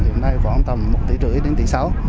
hiện nay khoảng tầm một tỷ rưỡi đến tỷ sáu